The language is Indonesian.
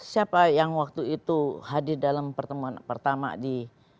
siapa yang waktu itu hadir dalam pertemuan pertama di